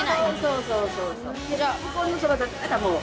そうそうそうそう。